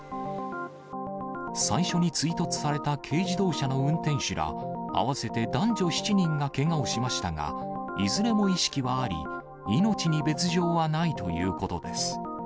最初に追突された軽自動車の運転手ら合わせて男女７人がけがをしましたが、いずれも意識はあり、命に別状はないということです。